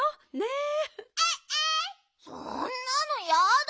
そんなのやだ。